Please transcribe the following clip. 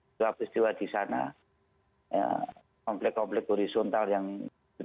setiap peristiwa di sana komplek komplek horizontal yang tidak masalah karena terlalu banyak